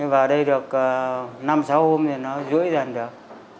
và đây được năm sáu hôm thì nó rưỡi dần được